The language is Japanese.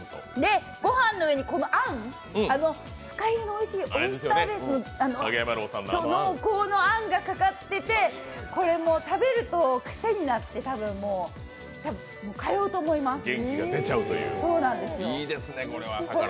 御飯の上にあん、フカヒレのおいしいオイスターベースの濃厚なあんがかかっててこれ食べるとクセになって多分、通うと思います。